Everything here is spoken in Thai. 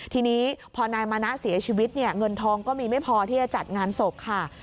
ทีนี้พอนายมานะเสียชีวิตเนี่ยเงินทองก็มีไม่พอที่จะจัดงานศพค่ะ